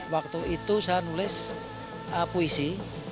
waktu itu saya nulis puisi